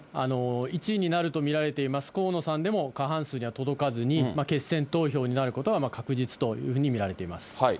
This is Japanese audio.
１位になると見られています河野さんでも、過半数には届かずに、決選投票になることは確実というふうに見られています。